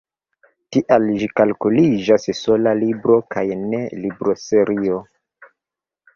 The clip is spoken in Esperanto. Tial ĝi kalkuliĝas sola libro kaj ne libroserio.